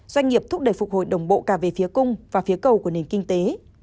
doanh nghiệp thúc đẩy phục hồi đồng bộ cả về phía cung và phía cầu của nền kinh tế